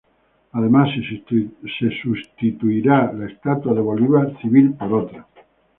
Además se sustituirá la estatua de Bolívar civil por otra.